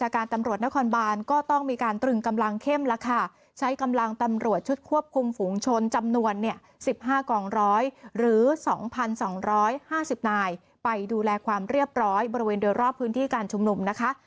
การตำรวจนครบานก็ต้องมีการตรึงกำลังเข้มแล้วค่ะใช้กำลังตำรวจชุดควบคุมฝูงชนจำนวนเนี่ย๑๕กองร้อยหรือ๒๒๕๐นายไปดูแลความเรียบร้อยบริเวณโดยรอบพื้นที่การชุมนุมนะคะ